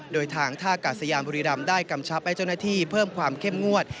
โดยทางท่ากาศยานบุรีรำได้กำชับให้เจ้าหน้าที่เพิ่มความเข้มงวด